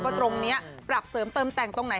ตรงนี้ปรับเสริมเติมแต่งตรงไหน